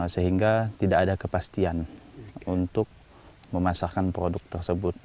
sehingga tidak ada kepastian untuk memasarkan produk tersebut